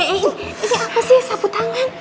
ini siapa sih sapu tangan